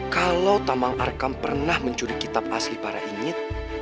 kalau tamang arkam pernah mencuri kitab asli para ingin